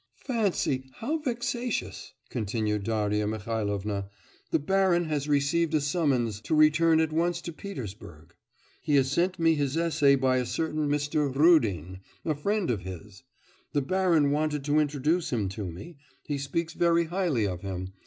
'Fancy, how vexatious!' continued Darya Mihailovna, 'the baron has received a summons to return at once to Petersburg. He has sent me his essay by a certain Mr. Rudin, a friend of his. The baron wanted to introduce him to me he speaks very highly of him.